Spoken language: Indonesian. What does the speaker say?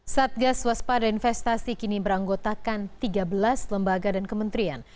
satgas waspada investasi kini beranggotakan tiga belas lembaga dan kementerian